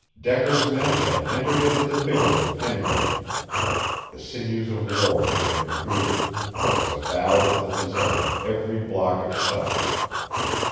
Decker's men had entered into the bidding with energy. The sinews of war had been recruited, and it was a battle for the possession of every block of stock.